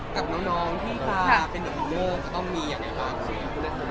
กับน้องที่ว่าเป็นหนึ่งเลือกก็ต้องมีอย่างไรค่ะ